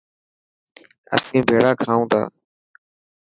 اسين ڀيڙا کائون تا.